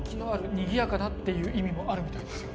「にぎやかな」っていう意味もあるみたいですよ